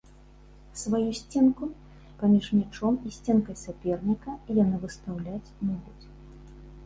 Сваю сценку паміж мячом і сценкай саперніка яны выстаўляць могуць.